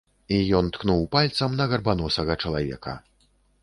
І ён ткнуў пальцам на гарбаносага чалавека.